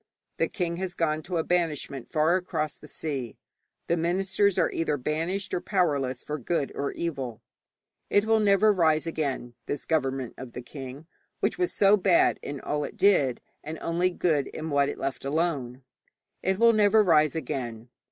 The king has gone to a banishment far across the sea, the ministers are either banished or powerless for good or evil. It will never rise again, this government of the king, which was so bad in all it did, and only good in what it left alone. It will never rise again.